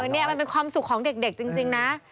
นี่มันเป็นความสุขของเด็กจริงนะ